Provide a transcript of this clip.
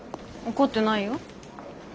怒ってないよ。